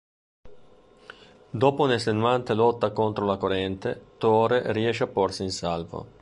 Dopo un’estenuante lotta contro la corrente, Tore riesce a porsi in salvo.